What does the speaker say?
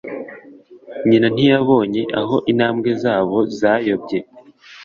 nyina ntiyabonye aho intambwe zabo zayobye